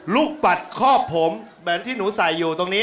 ลูกปัดข้อผมแบบที่หนูใส่อยู่ตรงนี้